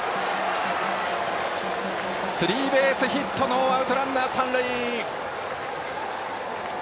スリーベースヒットノーアウトランナー、三塁。